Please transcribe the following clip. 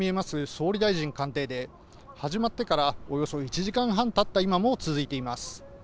総理大臣官邸で始まってからおよそ１時間半たった今も続いています。